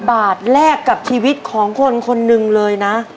บาทแลกกับชีวิตของคนคนหนึ่งเลยนะ